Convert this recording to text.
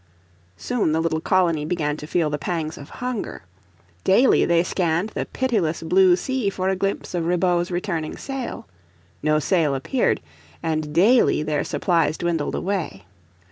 Soon the little colony began to feel the pangs of hunger. Daily they scanned the pitiless blue sea for a glimpse of Ribaut's returning sail. No sail appeared, and daily their supplies dwindled away.